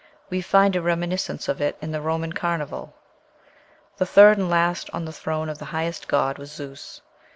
We find a reminiscence of it in the Roman "Carnival." The third and last on the throne of the highest god was Zeus.